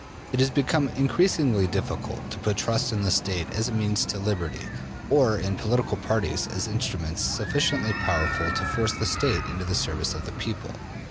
It has become increasingly difficult to put trust in the State as a means to liberty, or in political parties as instruments sufficiently powerful to force the State into the service of the people.